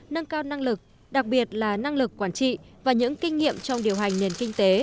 nâng cao năng lực đặc biệt là năng lực quản trị và những kinh nghiệm trong điều hành nền kinh tế